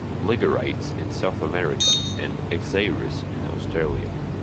"Liogorytes" in South America and "Exeirus" in Australia.